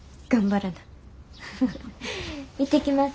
行ってきます。